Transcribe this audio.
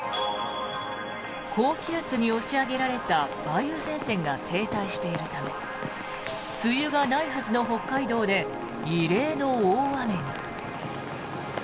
高気圧に押し上げられた梅雨前線が停滞しているため梅雨がないはずの北海道で異例の大雨に。